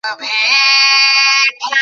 কাউকে না কাউকে ঠিক পেয়ে যাবো।